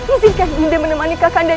izinkan dinda menemani kakanda